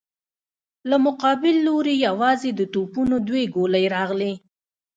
له مقابل لورې يواځې د توپونو دوې ګولۍ راغلې.